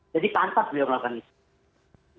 jadi pantas dia melakukan itu